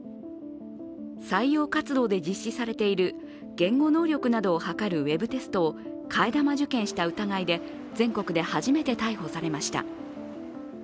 採用活動で実施されている言語能力などを測るウェブテストを替え玉受検した疑いで全国で初めて逮捕されました。